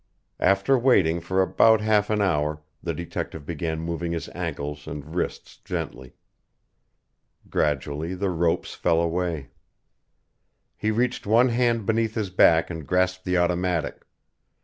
After waiting for about half an hour, the detective began moving his ankles and wrists gently. Gradually the ropes fell away. He reached one hand beneath his back and grasped the automatic.